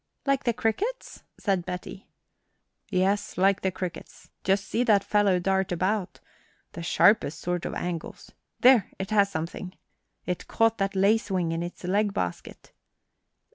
"Like the crickets?" said Betty. "Yes, like the crickets. Just see that fellow dart about. The sharpest sort of angles. There, it has something! It caught that lace wing in its leg basket."